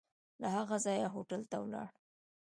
له هغه ځایه هوټل ته ولاړو.